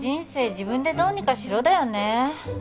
自分でどうにかしろだよね